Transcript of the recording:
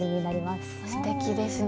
すてきですね。